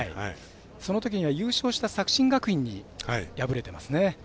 そのときには優勝した作新学院に敗れてますね。